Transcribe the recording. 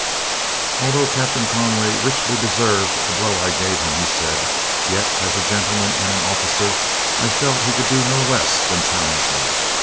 "Although Captain Conway richly deserved the blow I gave him," he said, "yet as a gentleman and an officer I felt he could do no less than challenge me.